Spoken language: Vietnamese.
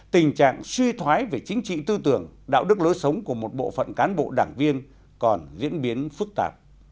tình trạng suy thoái về chính trị tư tưởng đạo đức lối sống của một bộ phận cán bộ đảng viên còn diễn biến phức tạp